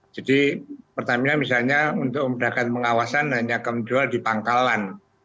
jadi pertamina misalnya untuk memudahkan pengawasan hanya akan menjual di pangkalan